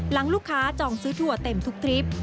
หลังลูกค้าจองซื้อถั่วเต็มทุกทริป